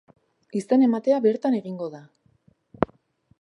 Izen-ematea bertan egingo da.